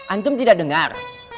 antum tidak dengar